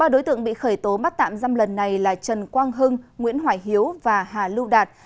ba đối tượng bị khởi tố bắt tạm giam lần này là trần quang hưng nguyễn hoài hiếu và hà lưu đạt